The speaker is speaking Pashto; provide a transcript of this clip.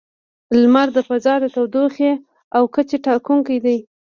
• لمر د فضا د تودوخې او کچې ټاکونکی دی.